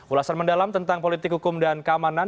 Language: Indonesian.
ulasan mendalam tentang politik hukum dan keamanan